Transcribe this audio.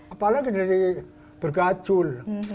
apalagi dari bergajul